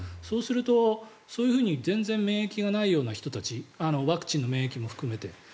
そうすると、そういうふうに全然免疫がないような人たちワクチンの免疫も含めて。